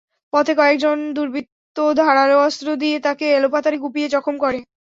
পথে কয়েকজন দুর্বৃত্ত ধারালো অস্ত্র দিয়ে তাঁকে এলোপাতাড়ি কুপিয়ে জখম করে।